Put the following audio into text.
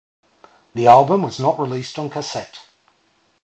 The album was not released on cassette.